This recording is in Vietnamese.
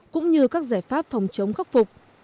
cũng như các giải pháp phòng chống khắc phục